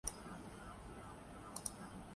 جعلی پیر بھی اب کئی طرح کے ہیں۔